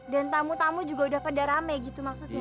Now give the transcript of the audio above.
dan tamu tamu juga udah pada rame gitu maksudnya